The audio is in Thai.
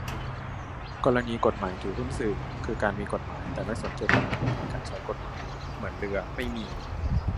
กรณี กฎหมาย ถือหุ้นสื่อ คือการ มีกฎหมายแต่ไม่สนเจตนารมณ์ในการใช้กฎหมาย เหมือนเรือ ไม่มี